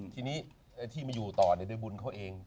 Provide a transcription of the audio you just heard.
ทีนี้ที่มาอยู่ต่อด้วยบุญเขาเอง